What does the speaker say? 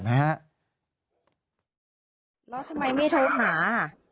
แล้วทำไมไม่โทรหา